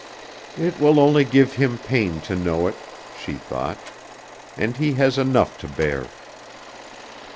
"It will only give him pain to know it," she thought, "and he has enough to bear."